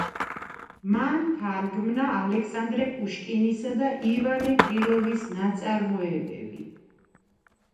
მან თარგმნა ალექსანდრე პუშკინისა და ივანე კრილოვის ნაწარმოებები.